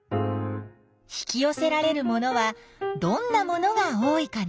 引きよせられるものはどんなものが多いかな？